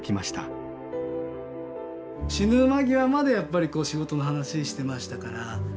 死ぬ間際までやっぱり仕事の話してましたから。